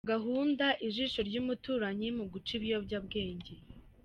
Gahunda Ijisho ry’umuturanyi mu guca ibiyobyabwenge